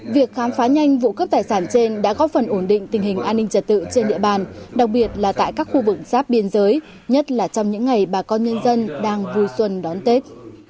việc khám phá nhanh vụ cướp tài sản trên đã góp phần ổn định tình hình an ninh trật tự trên địa bàn đặc biệt là tại các khu vực giáp biên giới nhất là trong những ngày bà con nhân dân đang vui xuân đón tết